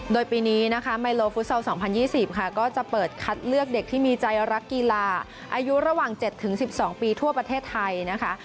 โดยปีนี้นะคะไมโลฟุตซอล๒๐๒๐ค่ะก็จะเปิดคัดเลือกเด็กที่มีใจรักกีฬาอายุระหว่าง๗๑๒ปีทั่วประเทศไทยนะคะ